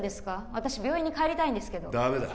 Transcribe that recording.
私病院に帰りたいんですけどダメだ